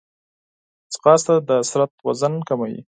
ځغاسته د بدن وزن کموي